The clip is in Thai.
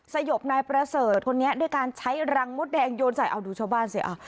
สยบนายประเสริฐคนนี้ด้วยการใช้รังมดแดงโยนใส่เอาดูชาวบ้านสิ